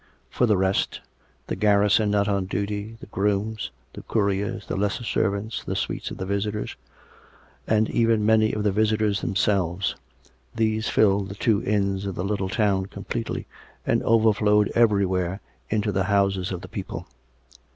For the rest — the garrison not on duty, the grooms, the couriers, the lesser servants, the suites of the visitors, and even many of the visitors themselves — these filled the two inns of the little town completely, and over flowed everj'where into the houses of the people.